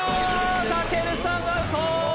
たけるさんアウト！